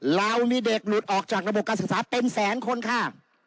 เรามีเด็กหลุดออกจากระบบการศึกษาเป็นแสนคนค่ะ